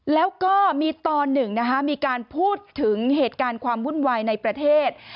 แล้วก็มีตอนหนึ่งนะคะมีการพูดถึงเหตุการณ์ความวุ่นวายในประเทศ